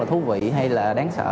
thú vị hay là đáng sợ